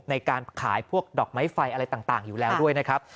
ในการขายพวกดอกไม้ไฟอะไรต่างอยู่แล้วด้วยนะครับ